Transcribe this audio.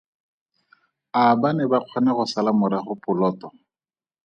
A ba ne ba kgona go sala morago poloto?